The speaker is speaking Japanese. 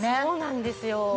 そうなんですよ。